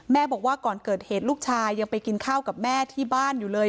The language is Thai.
บอกว่าก่อนเกิดเหตุลูกชายยังไปกินข้าวกับแม่ที่บ้านอยู่เลย